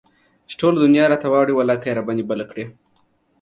چې ټوله دنيا راته واوړي ولاکه يي راباندى بله کړي